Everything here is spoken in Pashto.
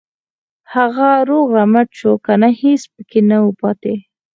هغه روغ رمټ شو کنه هېڅ پکې نه وو پاتې.